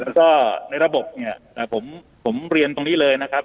แล้วก็ในระบบเนี่ยผมเรียนตรงนี้เลยนะครับ